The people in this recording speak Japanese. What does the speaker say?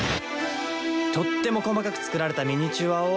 とっても細かく作られたミニチュアを。